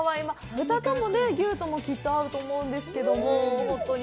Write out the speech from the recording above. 豚とも牛ともきっと合うと思うんですけども、本当に。